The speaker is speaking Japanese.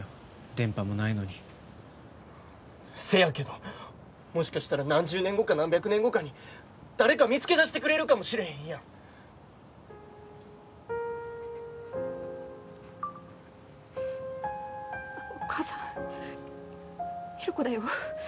電波もないのにせやけどもしかしたら何十年後か何百年後かに誰か見つけ出してくれるかもしれへんやんお母さん弘子だよ